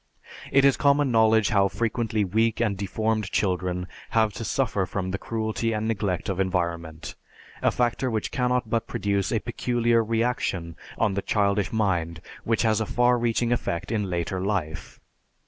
It is common knowledge how frequently weak and deformed children have to suffer from the cruelty and neglect of environment, a factor which cannot but produce a peculiar reaction on the childish mind which has a far reaching effect in later life.